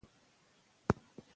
موږ د پوهې په لور ګامونه اخلو.